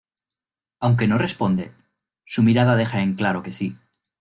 Aunque no responde, su mirada deja en claro que sí.